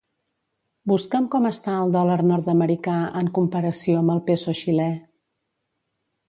Busca'm com està el dòlar nord-americà en comparació amb el peso xilè.